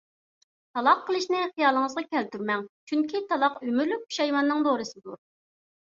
تالاق قىلىشنى خىيالىڭىزغا كەلتۈرمەڭ! چۈنكى، تالاق ئۆمۈرلۈك پۇشايماننىڭ دورىسىدۇر.